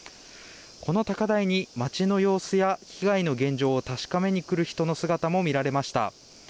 この高台に町の様子や被害の現状を確かめに来る人の姿も見られました。